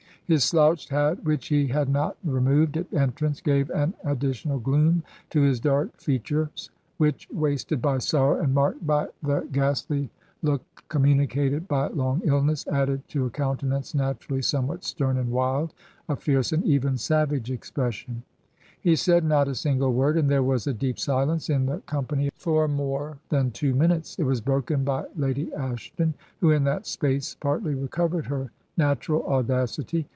His slouched hat, which he had not removed at entrsmce, gave an additional gloom to his dark feat ures, which, wasted by sorrow and marked by the 96 Digitized by VjOOQIC THREE OF SCOTT'S HEROINES ghastly look communicated by long illness, added to a countenance naturally somewhat stem and wild, a fierce and even savage expression. ... He said not a single word, and there was a deep silence in the com pany for more than two minutes. It was broken by Lady Ashton, who in that space partly recovered her natural audacity.